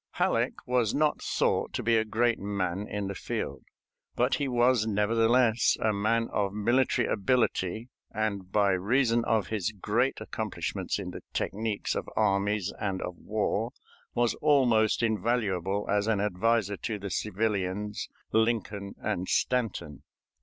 Halleck was not thought to be a great man in the field, but he was nevertheless a man of military ability, and by reason of his great accomplishments in the technics of armies and of war was almost invaluable as an adviser to the civilians Lincoln and Stanton.